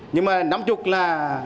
nhưng mà nắm chục là